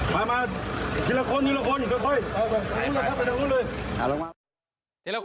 มานี่